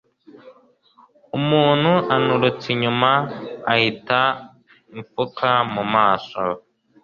umuntu anturutse inyuma ahita imfuka mu maso